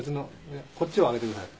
こっちを上げてください。